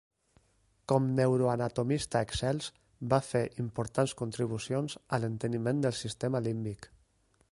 Com neuroanatomista excels, va fer importants contribucions a l'enteniment del sistema límbic.